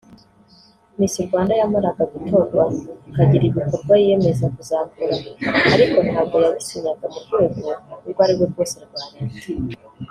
Miss Rwanda yamaraga gutorwa akagira ibikorwa yiyemeza kuzakora ariko ntabwo yabisinyaga n’urwego urwo arirwo rwose rwa Leta